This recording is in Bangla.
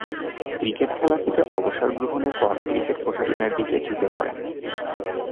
ক্রিকেট খেলা থেকে অবসর গ্রহণের পর ক্রিকেট প্রশাসনের দিকে ঝুঁকে পড়েন।